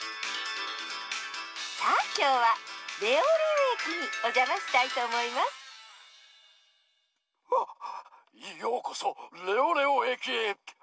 さあきょうはレオレオえきにおじゃましたいとおもいますあようこそレオレオえきへ！